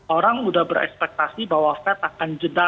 orang sudah berekspektasi bahwa fed akan jeda